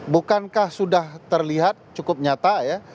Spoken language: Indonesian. bukankah sudah terlihat cukup nyata ya